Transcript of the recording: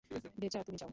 ডেচা, তুমি যাও।